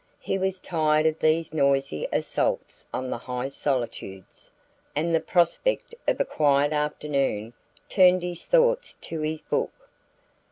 He was tired of these noisy assaults on the high solitudes, and the prospect of a quiet afternoon turned his thoughts to his book.